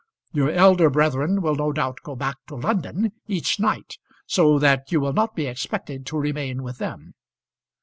Your elder brethren will no doubt go back to London each night, so that you will not be expected to remain with them.